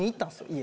家。